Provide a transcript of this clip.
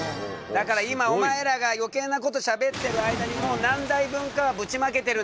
だから今お前らがよけいなことしゃべってる間にもう何台分かはぶちまけてるんだぞ。